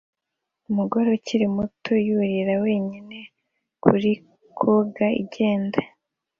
Umugore ukiri muto yurira wenyine kuri koga igenda